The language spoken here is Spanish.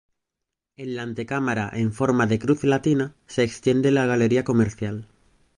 En la antecámara en forma de cruz latina se extiende la galería comercial.